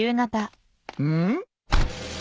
うん？